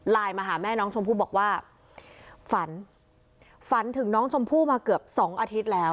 มาหาแม่น้องชมพู่บอกว่าฝันฝันถึงน้องชมพู่มาเกือบสองอาทิตย์แล้ว